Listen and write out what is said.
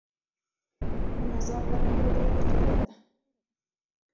منظم غرمې ډوډۍ ګټوره ده.